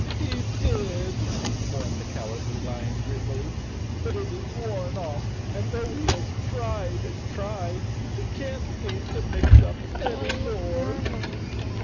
"He did," mourned the Cowardly Lion dreamily, "but it has worn off and, though he has tried and tried, he can't seem to mix up any more."